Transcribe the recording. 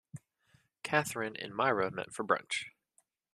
Catherine and Mira met for brunch.